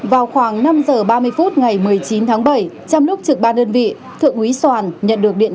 vào khoảng năm giờ ba mươi phút ngày một mươi chín tháng bảy trong lúc trực ba đơn vị thượng úy soàn nhận được điện